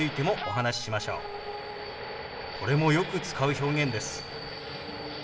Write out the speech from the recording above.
これもよく使う表現です。